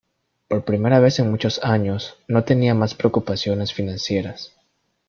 Por primera vez en muchos años, no tenía más preocupaciones financieras.